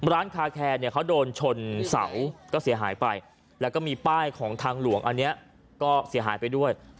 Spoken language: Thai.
ร้านคาแคร์เนี่ยเขาโดนชนเสาก็เสียหายไปแล้วก็มีป้ายของทางหลวงอันนี้ก็เสียหายไปด้วย